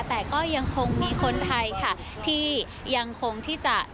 แต่ก็ยังคงมีคนไทยค่ะ